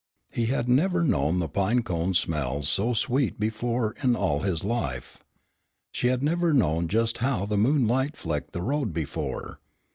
He had never known the pine cones smell so sweet before in all his life. She had never known just how the moonlight flecked the road before.